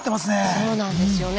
そうなんですよね。